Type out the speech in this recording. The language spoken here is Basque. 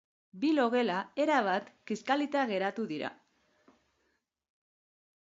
Bi logela erabat kiskalita geratu dira.